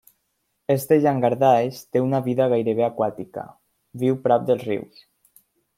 Aquest llangardaix té una vida gairebé aquàtica, viu prop dels rius.